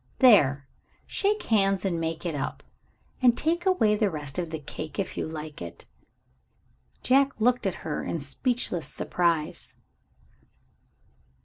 There! Shake hands and make it up. And take away the rest of the cake, if you like it." Jack looked at her in speechless surprise.